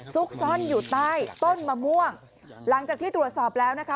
ซุกซ่อนอยู่ใต้ต้นมะม่วงหลังจากที่ตรวจสอบแล้วนะคะ